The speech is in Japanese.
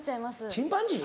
チンパンジー？